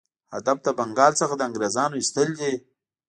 هدف له بنګال څخه د انګرېزانو ایستل دي.